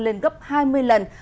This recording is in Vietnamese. lên gấp hai mươi lần